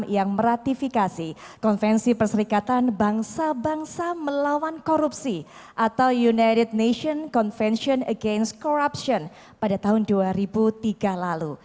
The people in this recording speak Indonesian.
yang meratifikasi konvensi perserikatan bangsa bangsa melawan korupsi atau united nations convention against corruption pada tahun dua ribu tiga lalu